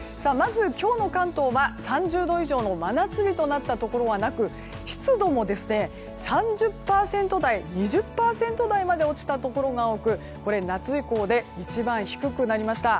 今日の関東は３０度以上の真夏日となったところはなく湿度も３０％台、２０％台まで落ちたところが多くこれは夏以降で一番低くなりました。